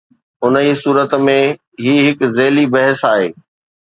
انهي صورت ۾، هي هڪ ذيلي بحث آهي.